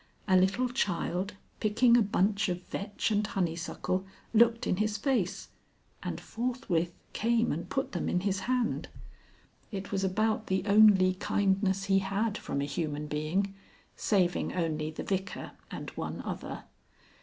A little child picking a bunch of vetch and honeysuckle looked in his face, and forthwith came and put them in his hand. It was about the only kindness he had from a human being (saving only the Vicar and one other).